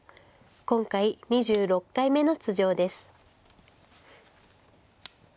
今回２６回目の出場です。